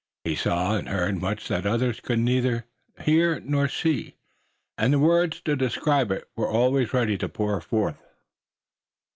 He saw and heard much that others could neither hear nor see, and the words to describe it were always ready to pour forth.